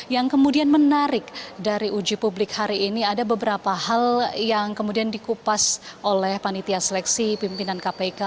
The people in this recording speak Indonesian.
yang kemudian menarik dari uji publik hari ini ada beberapa hal yang kemudian dikupas oleh panitia seleksi pimpinan kpk